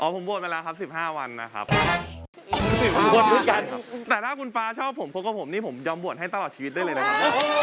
อ๋อผมบวชมันแล้วครับ๑๕วันนะครับแต่ถ้าคุณฟ้าชอบผมคนกับผมนี่ผมยอมบวชให้ตลอดชีวิตด้วยเลยนะครับ